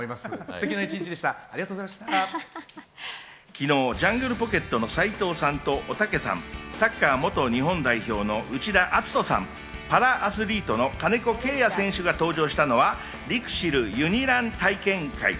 昨日、ジャングルポケットの斉藤さんとおたけさん、サッカー元日本代表の内田篤人さん、パラアスリートの金子慶也選手が登場したのは、ＬＩＸＩＬユニラン体験会。